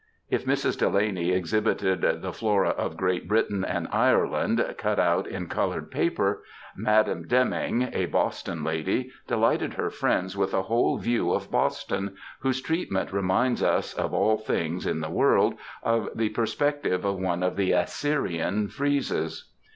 If Mrs. Delany exhibited the Flora of Great Britain and Ireland, cut out in coloured paper, Madam Demming, a Boston lady, delighted her friends with a whole view of Boston, whose treatment reminds us, of all things in the world, of the perspective of one of the Assyrian friezes.